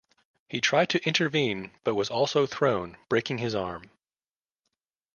He tried to intervene, but was also thrown, breaking his arm.